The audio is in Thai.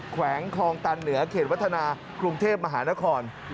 แขวงคลองตันเหนือเขตวัฒนากรุงเทพมหานคร